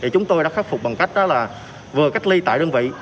chúng tôi đã khắc phục bằng cách vừa cách ly tại đơn vị